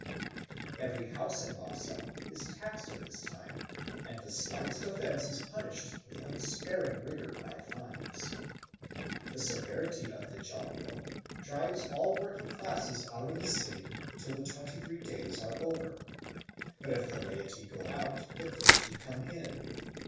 Every house in Lhasa is taxed at this time, and the slightest offence is punished with unsparing rigour by fines. This severity of the Jalno drives all working classes out of the city till the twenty three days are over. But if the laity go out, the clergy come in.